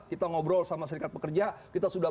kita ngobrol sama serikat pekerja kita sudah